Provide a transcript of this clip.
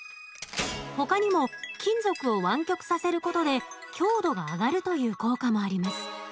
ほかにも金属を湾曲させることで強度が上がるという効果もあります。